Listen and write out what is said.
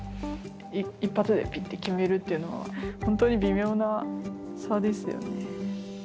一発でぴって決めるっていうのは本当に微妙な差ですよね。